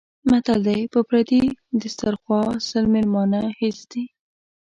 متل دی: په پردي دیسترخوا سل مېلمانه هېڅ دي.